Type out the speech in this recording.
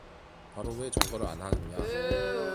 바로 왜 정거를 안 하느냐.